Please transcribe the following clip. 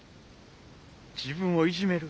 自分をいじめる？